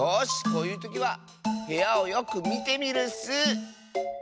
こういうときはへやをよくみてみるッス！